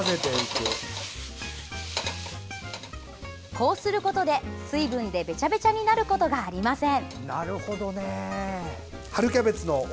こうすることで水分でベチャベチャになることがありません。